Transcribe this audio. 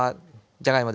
じゃがいも。